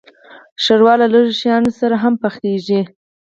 ښوروا له لږو شیانو سره هم پخیږي.